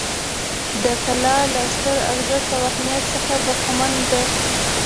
دا کلا له ستر ارزښت او اهمیت څخه برخمنه ده.